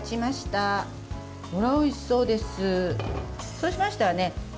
そうしましたらね